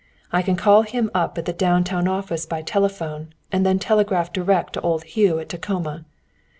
"I can call him up at the down town office by telephone, and then telegraph direct to old Hugh at Tacoma.